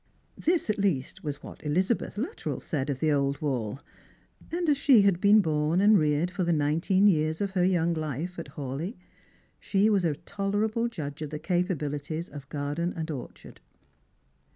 Thi?, at least, was ■what Elizabeth Luttrell said of the old wall, and as she had been born and reared for the nineteen years of her young life at Hawleigh, she was a tolerable judge of the capabilities of garden and orchard.